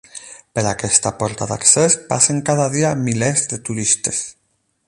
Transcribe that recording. Per aquesta porta d'accés passen cada dia milers de turistes.